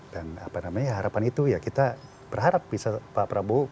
dan apa namanya harapan itu ya kita berharap pak prabowo